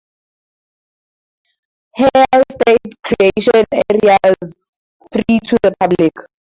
Heiau State Recreation Area is free to the public.